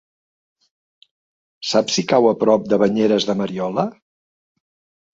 Saps si cau a prop de Banyeres de Mariola?